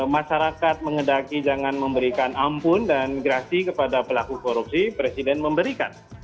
masyarakat mengedaki jangan memberikan ampun dan grasi kepada pelaku korupsi presiden memberikan